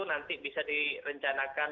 nanti bisa direncanakan